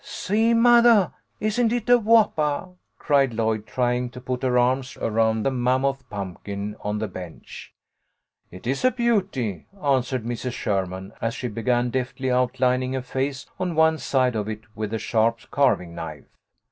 " See, mothah, isn't it a whoppah ?" cried Lloyd, trying to put her arms around the mammoth pumpkin on the bench. " It is a beauty," answered Mrs. Sherman, as she began deftly outlining a face on one side of it, with the sharp carving knife.